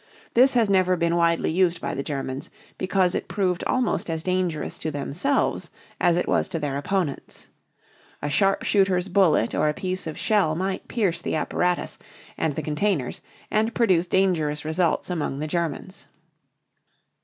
This has never been widely used by the Germans, because it proved almost as dangerous to themselves as it was to their opponents. A sharpshooter's bullet or a piece of shell might pierce the apparatus and the containers and produce dangerous results among the Germans.